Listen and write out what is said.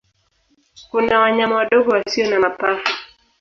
Kuna wanyama wadogo wasio na mapafu.